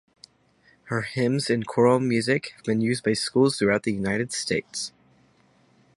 Her hymns and choral music have been used by schools throughout the United States.